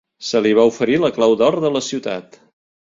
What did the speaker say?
Se li va oferir la clau d'or de la ciutat.